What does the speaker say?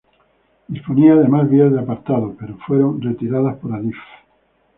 Disponía de más vías de apartado pero fueron retiradas por Adif.